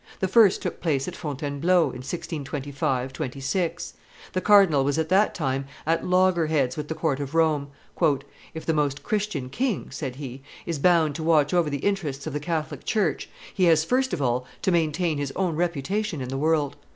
The first took place at Fontainebleau, in 1625 6. The cardinal was at that time at loggerheads with the court of Rome: "If the Most Christian King," said he, "is bound to watch over the interests of the Catholic church, he has first of all to maintain his own reputation in the world.